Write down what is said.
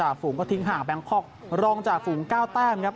ก็ทิ้งหาแบงคล็อกรองจากฝูง๙แต้มครับ